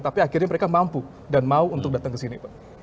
tapi akhirnya mereka mampu dan mau untuk datang ke sini